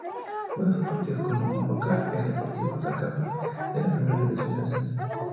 Juega sus partidos como local el Deportivo Zacapa de la Primera División de Ascenso.